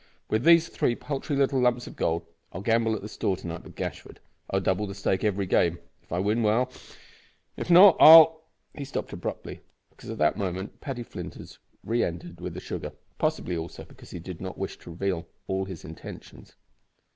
With these three paltry little lumps of gold I'll gamble at the store to night with Gashford. I'll double the stake every game. If I win, well if not, I'll " He stopped abruptly, because at that moment Paddy Flinders re entered with the sugar; possibly, also, because he did not wish to reveal all his intentions.